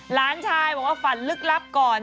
หลานชายบอกว่าฝันลึกลับก่อน